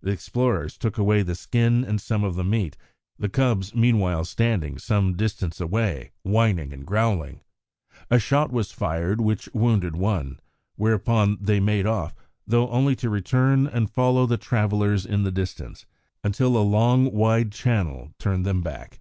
The explorers took away the skin and some of the meat, the cubs meanwhile standing some distance away whining and growling. A shot was fired which wounded one, whereupon they made off, though only to return and follow the travellers in the distance, until a wide, long channel turned them back.